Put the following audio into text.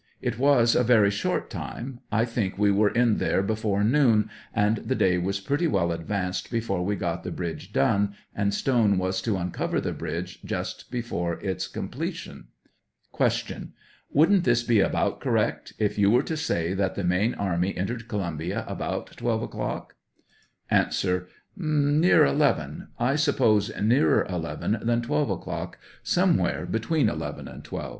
It was a very short time ; I think we were in there before noon, and the day was pretty well ad vanced before we got the bridge done, and Stone was to uncover the bridge just before its completion. Q. Wouldn't this be about correct if j'oa were to say that the main army entered Columbia about 12 o'clock? 87 A. Near 11; I suppose nearer 11 than 12 o'clock — somewhere between 11 and 12.